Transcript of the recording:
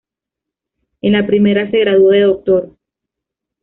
En la primera se graduó de doctor.